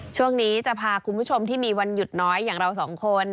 ช่วงนี้จะพาคุณผู้ชมที่มีวันหยุดน้อยอย่างเราสองคน